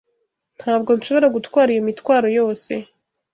Ntabwo nshobora gutwara iyo mitwaro yose.